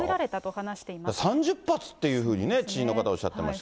３０発というふうに知人の方、おっしゃってました。